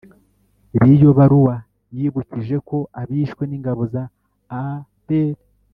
riyo baruwa yibukije ko abishwe n'ingabo za apr,